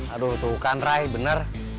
aduh tuh kan ray bener